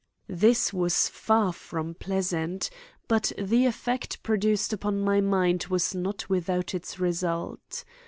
This was far from pleasant, but the effect it produced upon my mind was not without its result.